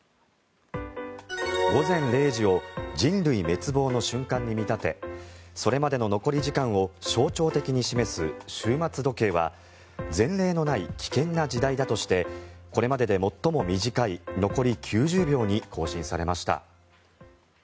午前０時を人類滅亡の瞬間に見立てそれまでの残り時間を象徴的に示す終末時計は前例のない危険な時代だとしてこれまでで最も短い残り９０秒に更新されました。